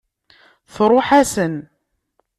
Tṛuḥ-asen.